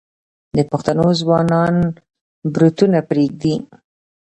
د پښتنو ځوانان بروتونه پریږدي.